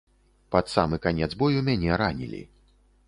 Пад самы канец бою мяне ранілі.